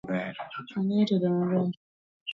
Ang'eyo tedo ber